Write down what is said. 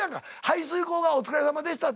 排水口が「お疲れさまでした」